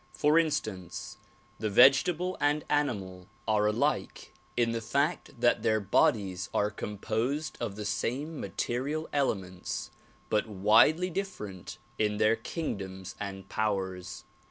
For instance, the vegetable and animal are alike in the fact that their bodies are composed of the same material elements; but widely different in their kingdoms and powers.